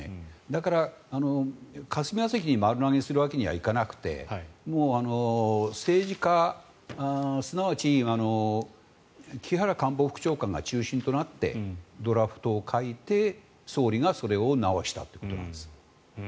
だから霞が関に丸投げするわけにはいかなくて政治家、すなわち木原官房副長官が中心となってドラフトを書いて、総理がそれを直したということなんです。